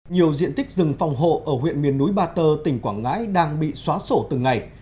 nhiều diện tích rừng phòng hộ ở huyện miền núi ba tơ tỉnh quảng ngãi đang bị xóa sổ từng ngày